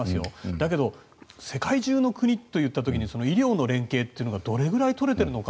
だけど、世界中の国といった時に医療の連携というのがどれくらい取れてるのか。